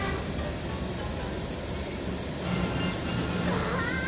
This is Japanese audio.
わあ！